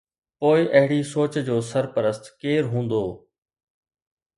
پوءِ اهڙي سوچ جو سرپرست ڪير هوندو؟